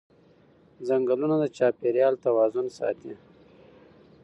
ځنګلونه د چاپېریال توازن ساتي